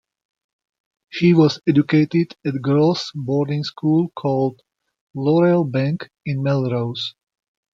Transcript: She was educated at a girls' boarding school called Laurel Bank, in Melrose.